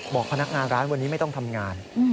พนักงานร้านวันนี้ไม่ต้องทำงาน